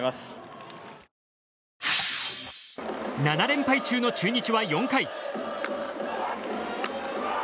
７連敗中の中日は４回。